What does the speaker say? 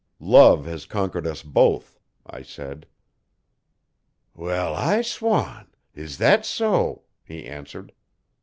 'Love has conquered us both,' I said. 'Wall, I swan! is thet so?' he answered.